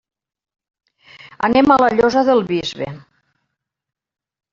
Anem a la Llosa del Bisbe.